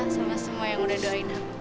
sama semua yang udah doain aku